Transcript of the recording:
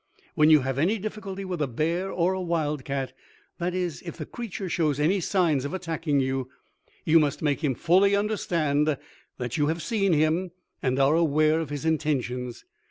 "When you have any difficulty with a bear or a wild cat that is, if the creature shows any signs of attacking you you must make him fully understand that you have seen him and are aware of his intentions.